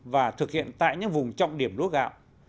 và thực hiện tại những vùng trọng điểm lúa gạo